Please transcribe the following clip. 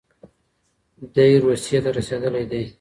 دی روسيې ته رسېدلی دی.